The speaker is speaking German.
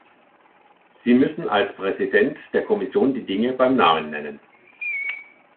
Sie müssen als Präsident der Kommission die Dinge beim Namen nennen!